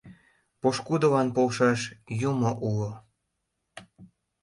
Пошкудылан полшаш юмо уло.